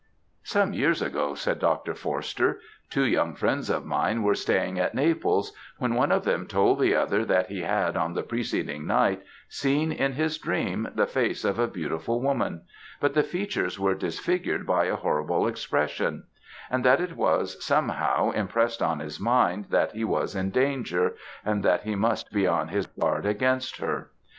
"Some years ago," said Dr. Forster, "two young friends of mine were staying at Naples, when one of them told the other that he had on the preceding night, seen in his sleep, the face of a beautiful woman; but the features were disfigured by a horrible expression and that it was, somehow, impressed on his mind that he was in danger, and that he must be on his guard against her.